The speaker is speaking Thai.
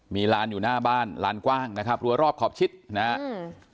มีลานอยู่หน้าบ้านลานกว้างนะครับรัวรอบขอบชิดนะฮะอืม